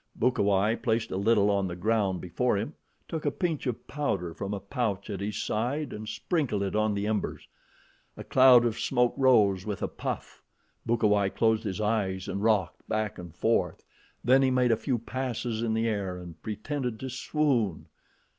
Bukawai placed a little on the ground before him, took a pinch of powder from a pouch at his side and sprinkled it on the embers. A cloud of smoke rose with a puff. Bukawai closed his eyes and rocked back and forth. Then he made a few passes in the air and pretended to swoon.